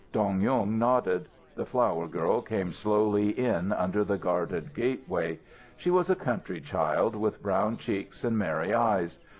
Dong Yung nodded. The flower girl came slowly in under the guarded gateway. She was a country child, with brown cheeks and merry eyes.